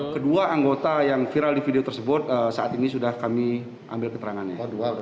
kedua anggota yang viral di video tersebut saat ini sudah kami ambil keterangannya